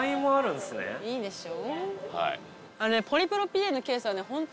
・いいでしょ。